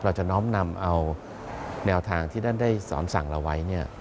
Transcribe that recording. เราจะน้อมนำเอาแนวทางที่ท่านได้สอนสั่งเราไว้